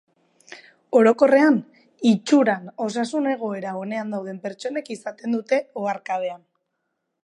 Orokorrean, itxuran osasun egoera onean dauden pertsonek izaten dute, oharkabean.